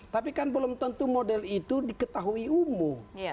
tapi kan belum tentu model itu diketahui umum